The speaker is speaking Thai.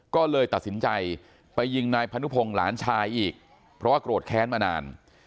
ก็เลยตัดสินใจไปยิงนายพนุพงศ์หลานชายอีกเพราะว่าโกรธแค้นมานาน